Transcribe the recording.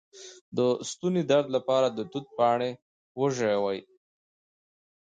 د ستوني درد لپاره د توت پاڼې وژويئ